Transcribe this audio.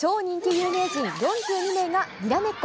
有名人４２名がにらめっこ。